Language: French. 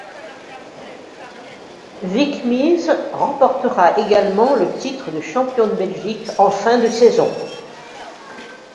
Vic Mees remportera également le titre de champion de Belgique en fin de saison.